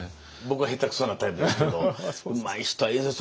僕は下手くそなタイプですけどうまい人はいる。